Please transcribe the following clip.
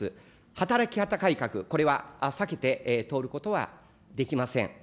働き方改革、これは避けて通ることはできません。